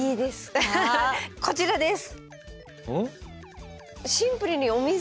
こちらです。